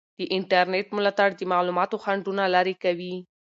د انټرنیټ ملاتړ د معلوماتو خنډونه لرې کوي.